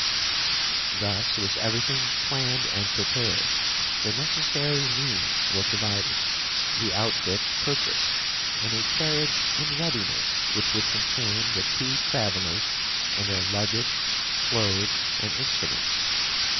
Thus was everything planned and prepared, the necessary means were provided, the outfit purchased, and a carriage {MUNICH AND AUGSBURG.} (350) in readiness which would contain the two travellers and their luggage, clothes, and instruments.